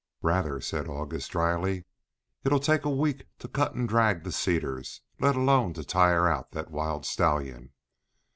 "Rather," said August, dryly. "It'll take a week to cut and drag the cedars, let alone to tire out that wild stallion.